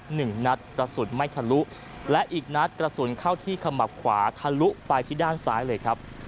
หนึ่งนัดกระสุนไม่ทะลุและอีกนัดกระสุนเข้าที่ขมับขวาทะลุไปที่ด้านซ้ายเลยครับ